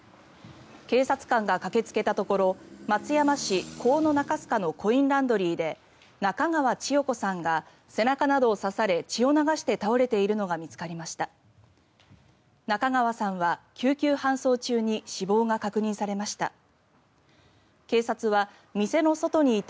警察官が駆けつけたところ松山市河野中須賀のコインランドリーで中川千代子さんが背中などを刺され、血を流して倒れているのが見つかりました。